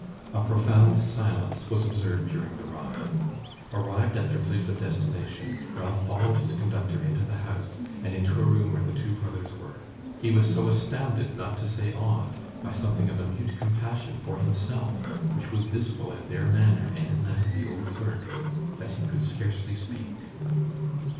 A profound silence was observed during the ride. Arrived at their place of destination, Ralph followed his conductor into the house, and into a room where the two brothers were. He was so astounded, not to say awed, by something of a mute compassion for himself which was visible in their manner and in that of the old clerk, that he could scarcely speak.